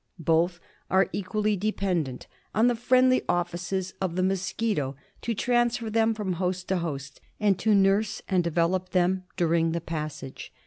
) Both are equally dependent on the friendly offices of the mosquito to transfer them from host to host, and to nurse and develop them during the passage.